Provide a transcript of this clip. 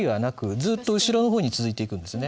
ずっと後ろの方に続いていくんですね。